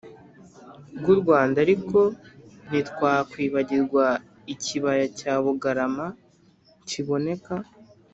bw u Rwanda ariko ntitwakwibagirwa ikibaya cya Bugarama kiboneka